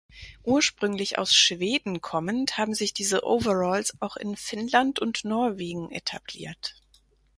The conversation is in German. Ursprünglich aus Schweden kommend, haben sich diese Overalls auch in Finnland und Norwegen etabliert.